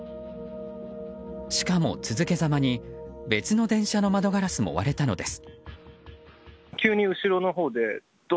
しかも続けざまに、別の電車の窓ガラスも割れたのです。